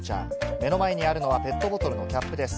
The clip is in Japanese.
目の前にあるのはペットボトルのキャップです。